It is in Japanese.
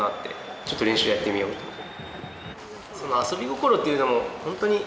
ちょっと練習やってみようと思って。